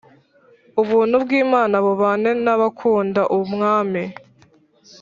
Ubuntu bw Imana bubane n abakunda Umwami